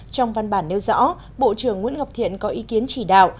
trong văn bản nêu rõ bộ trưởng nguyễn ngọc thiện có ý kiến chỉ đạo